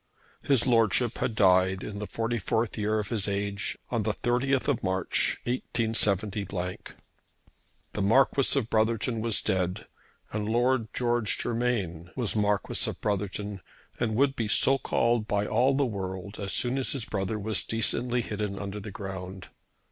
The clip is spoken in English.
His Lordship had died in the 44th year of his age, on the 30th March, 187 . The Marquis of Brotherton was dead, and Lord George Germain was Marquis of Brotherton, and would be so called by all the world as soon as his brother was decently hidden under the ground.